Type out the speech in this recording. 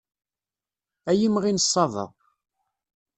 Ay imɣi n ṣṣaba.